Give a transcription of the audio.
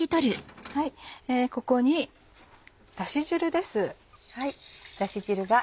ここにだし汁です。